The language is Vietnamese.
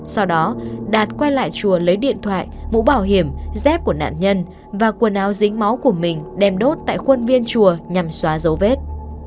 sau đó đạt quay lại chùa lấy điện thoại mũ bảo hiểm dép của nạn nhân và quần áo dính máu của mình đem đốt tại khuôn viên chùa nhằm xóa dấu vết